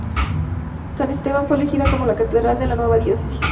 San Esteban fue elegida como la catedral de la nueva diócesis.